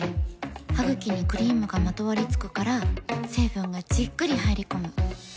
ハグキにクリームがまとわりつくから成分がじっくり入り込む。